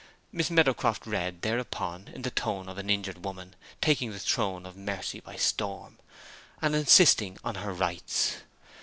Miss Meadowcroft read, thereupon, in the tone of an injured woman taking the throne of mercy by storm, and insisting on her rights.